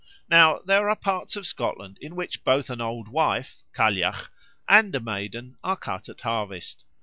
Now there are parts of Scotland in which both an Old Wife (Cailleach) and a Maiden are cut at harvest.